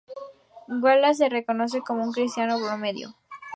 Wallace se reconoce como un cristiano comprometido.